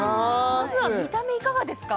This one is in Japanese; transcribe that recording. まずは見た目いかがですか？